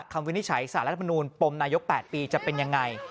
คำวินิจฉัยสารพนูนปมนายก๘ปีจะเป็นยังไง